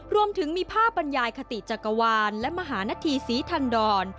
รวมถึงมีภาพบรรยายคติจักรวาลและมหานธีศรีทันดร